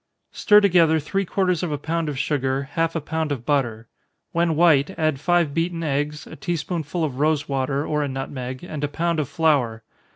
_ Stir together three quarters of a pound of sugar, half a pound of butter. When white, add five beaten eggs, a tea spoonful of rosewater, or a nutmeg, and a pound of flour.